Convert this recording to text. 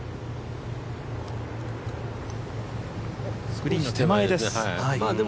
グリーンの手前です。